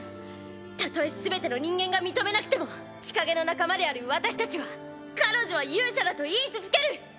たとえ全ての人間が認めなくても千景の仲間である私たちは彼女は勇者だと言い続ける。